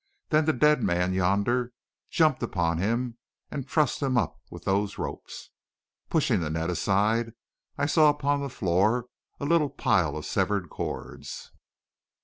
Then the dead man yonder jumped upon him and trussed him up with those ropes." Pushing the net aside, I saw upon the floor a little pile of severed cords.